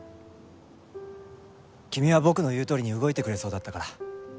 君は僕の言うとおりに動いてくれそうだったから。